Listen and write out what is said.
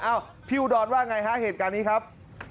เอ้าพี่อุดรว่าอย่างไรฮะเหตุการณ์นี้ครับ